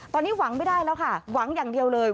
ตอนนี้หวังไม่ได้แล้วค่ะหวังอย่างเดียวเลย